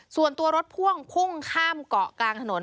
ส่วนตัวรถพ่วงพุ่งข้ามเกาะกลางถนน